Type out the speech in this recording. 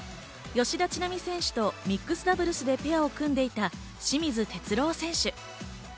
吉田知那美選手とミックスダブルスでペアを組んでいた清水徹郎選手。